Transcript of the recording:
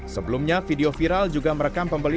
sebelumnya video viral juga merekam pembeli